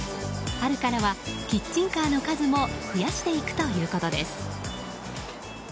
春からはキッチンカーの数も増やしていくということです。